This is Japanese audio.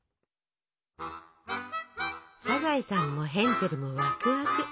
サザエさんもヘンゼルもわくわく！